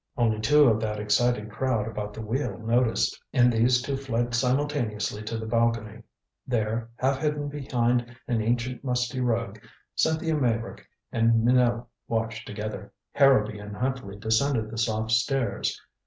Only two of that excited crowd about the wheel noticed. And these two fled simultaneously to the balcony. There, half hidden behind an ancient musty rug, Cynthia Meyrick and Minot watched together. Harrowby and Huntley descended the soft stairs.